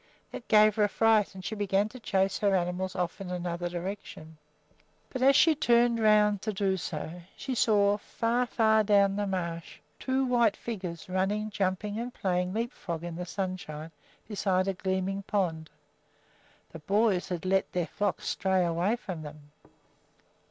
That gave her a fright, and she began to chase her animals off in another direction. But as she turned around to do so she saw, far, far down the marsh, two white figures running, jumping, and playing leapfrog in the sunshine beside a gleaming pond. The boys had let their flocks stray away from them!